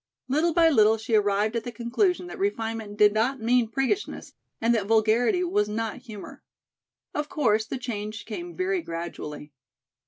Little by little she arrived at the conclusion that refinement did not mean priggishness and that vulgarity was not humor. Of course the change came very gradually.